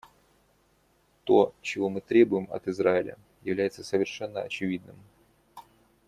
То, чего мы требуем от Израиля, является совершенно очевидным.